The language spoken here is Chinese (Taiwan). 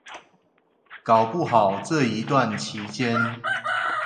搞不好這一段期間